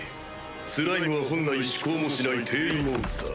スライムは本来思考もしない低位モンスター。